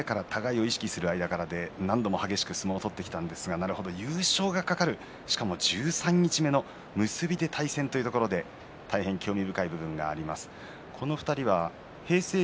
同学年の２人小学生の時からお互いに意識して激しく相撲を取ってきたんですが優勝がかかるしかも十三日目の結びで対戦というところで大変興味深い部分がありますね。